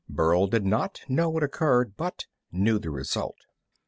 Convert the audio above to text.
Burl did not know what occurred, but knew the result.